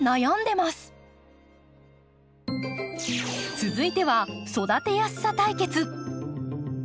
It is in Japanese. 続いては育てやすさ対決！